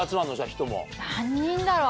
何人だろう？